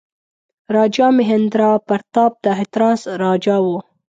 راجا مهیندراپراتاپ د هتراس راجا وو.